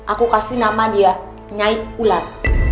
aku kasih nama dia nyai ular